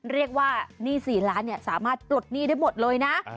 หนี้๔ล้านสามารถปลดหนี้ได้หมดเลยนะ